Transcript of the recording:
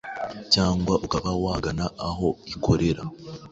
cyangwa ukaba wagana aho ikorera